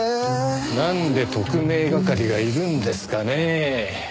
なんで特命係がいるんですかねぇ？